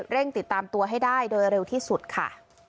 เร่งติดตามตัวให้ได้โดยเร็วที่สุดค่ะ